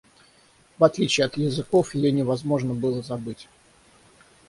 В отличие от языков ее невозможно было забыть.